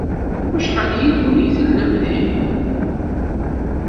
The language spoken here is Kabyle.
Deg wacḥal yid-wen ay tellam din?